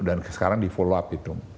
dan sekarang di follow up itu